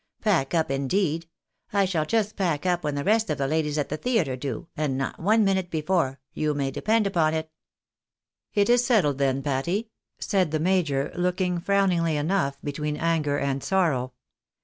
Pack up, indeed ! I shall just pack up when the rest of the ladies at the theatre do, and not one minute before, you may depend upon it.'' " It is settled then, Patty," said the major, looking frowningly enoxigh, between anger and sorrow.